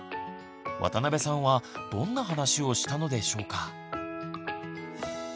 渡邊さんはどんな話をしたのでしょうか？